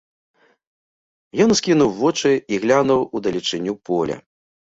Ён ускінуў вочы і глянуў у далечыню поля.